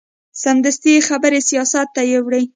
سمدستي یې خبرې سیاست ته یوړې.